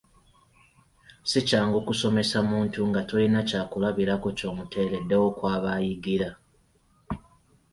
Si kyangu kusomesa muntu nga tolina kyakulabirako ky’omuteereddewo kwaba ayigira!